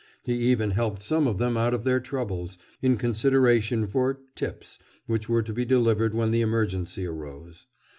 He even helped some of them out of their troubles—in consideration for "tips" which were to be delivered when the emergency arose.